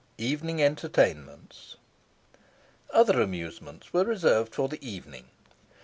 EVENING ENTERTAINMENTS. Other amusements were reserved for the evening.